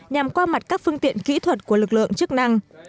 nhằm qua mặt các phương tiện kỹ thuật của lực lượng chức năng